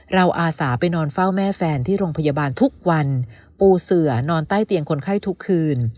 อาสาไปนอนเฝ้าแม่แฟนที่โรงพยาบาลทุกวันปูเสือนอนใต้เตียงคนไข้ทุกคืน